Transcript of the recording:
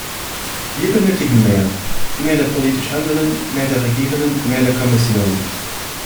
Wir benötigen mehr, mehr der politisch Handelnden, mehr der Regierenden, mehr der Kommission.